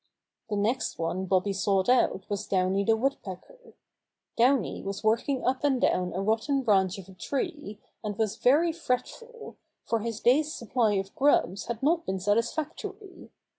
The next one Bobby sought out was Downy the Woodpecker. Downy was working up and down a rotten branch of a tree, and was very fretful, for his day's supply of grubs had not been satisfactory.